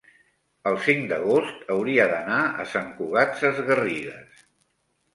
el cinc d'agost hauria d'anar a Sant Cugat Sesgarrigues.